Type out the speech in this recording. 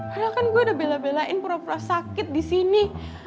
karena kan gue udah bela belain pura pura sakit di sini